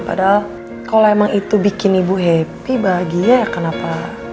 padahal kalau emang itu bikin ibu happy bahagia ya kenapa